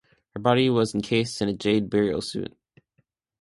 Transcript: Her body was encased in a jade burial suit.